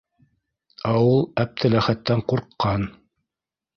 Ә ул Әптеләхәттән ҡурҡҡан.